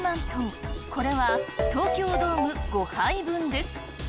これは東京ドーム５杯分です。